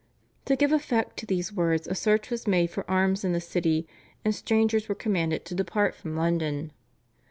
To give effect to these words a search was made for arms in the city, and strangers were commanded to depart from London.